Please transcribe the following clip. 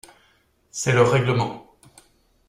C’est le règlement.